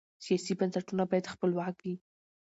سیاسي بنسټونه باید خپلواک وي